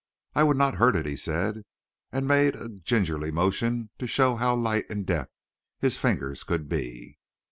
"I would not hurt it," he said, and made a gingerly motion to show how light and deft his fingers could be.